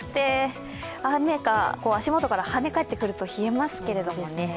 雨が足元からはね返ってくると冷えますけどね。